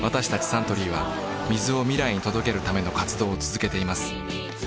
サントリーは水を未来に届けるための活動を続けています